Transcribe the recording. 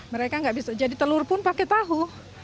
mereka nggak bisa jadi telur pun pakai tahu